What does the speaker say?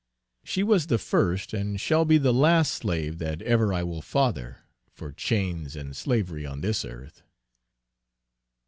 She was the first and shall be the last slave that ever I will father, for chains and slavery on this earth.